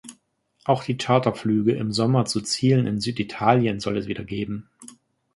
Auch die Charterflüge im Sommer zu Zielen in Süditalien soll es wieder geben.